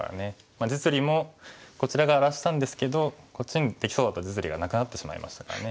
実利もこちら側荒らしたんですけどこっちにできそうだった実利がなくなってしまいましたからね。